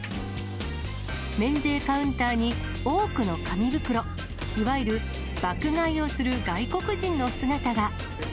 免税カウンターに多くの紙袋、いわゆる爆買いをする外国人の姿が。